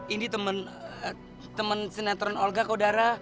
ini temen temen senatorin olga kok dara